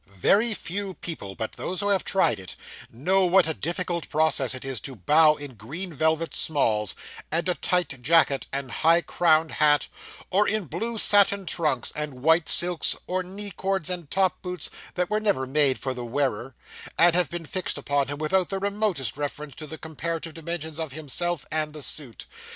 Very few people but those who have tried it, know what a difficult process it is to bow in green velvet smalls, and a tight jacket, and high crowned hat; or in blue satin trunks and white silks, or knee cords and top boots that were never made for the wearer, and have been fixed upon him without the remotest reference to the comparative dimensions of himself and the suit.